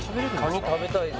カニ食べたいです